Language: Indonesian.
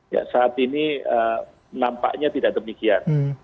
ya saat ini nampaknya tidak demikian